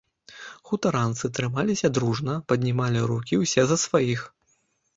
Хутаранцы трымаліся дружна, паднімалі рукі ўсе за сваіх.